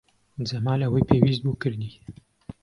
جەمال ئەوەی پێویست بوو کردی.